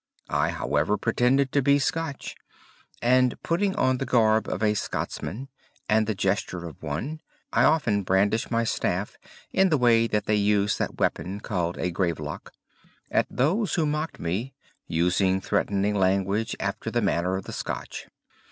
I, however, pretended to be Scotch; and putting on the garb of a Scotchman, and the gesture of one, I often brandished my staff, in the way they use that weapon called, a gaveloc, at those who mocked me, using threatening language, after the manner of the Scotch.